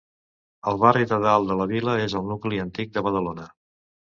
El barri de Dalt de la Vila és el nucli antic de Badalona.